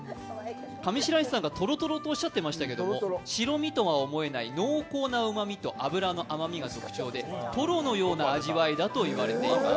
上白石さんがトロトロとおっしゃっていましたけれども、白身とは思えない濃厚なうまみと脂の甘みが特徴でトロのような味わいだと言われています。